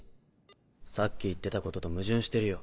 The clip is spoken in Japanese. さっき言ってたことと矛盾してるよ。